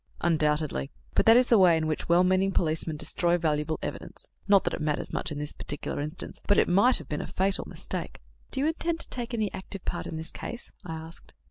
"Undoubtedly. But that is the way in which well meaning policemen destroy valuable evidence. Not that it matters much in this particular instance; but it might have been a fatal mistake." "Do you intend to take any active part in this case?" I asked.